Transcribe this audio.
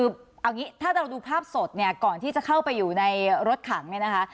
คือเอางี้ถ้าเราดูภาพสดเนี่ยก่อนที่จะเข้าไปอยู่ในรถขังเนี่ยนะคะ